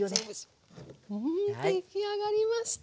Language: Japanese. うん出来上がりました。